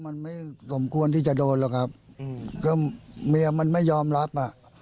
มันไม่สมควรที่จะโดนหรอกครับอืมก็เมียมันไม่ยอมรับอ่ะ